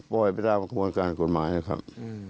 ปล่อยไปตามกระบวนการกฎหมายนะครับ